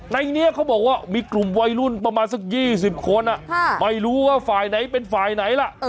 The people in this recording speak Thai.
ในนี้เขาบอกว่ามีกลุ่มวัยรุ่นประมาณสัก๒๐คนไม่รู้ว่าฝ่ายไหนเป็นฝ่ายไหนล่ะ